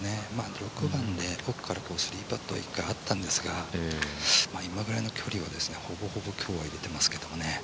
６番で奥から３パットは１回あったんですが今ぐらいの距離は、ほぼほぼ今日は入れてますけどね。